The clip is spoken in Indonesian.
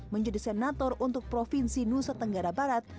menjadi senator untuk provinsi nusa tenggara barat